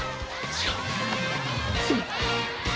違う。